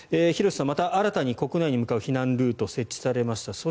廣瀬さん、また新たに国内に向かう避難ルートが設置されました。